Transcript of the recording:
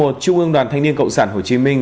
trung ương đoàn thanh niên cộng sản hồ chí minh